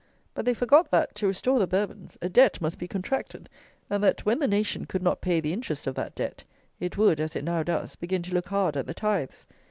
But they forgot that, to restore the Bourbons, a debt must be contracted; and that, when the nation could not pay the interest of that debt, it would, as it now does, begin to look hard at the tithes!